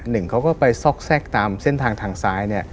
นึงเขาก็ไปซอกแทรกตามเส้นทางทางซ้าย